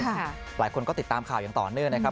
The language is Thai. หลายคนก็ติดตามข่าวอย่างต่อเนื่องนะครับ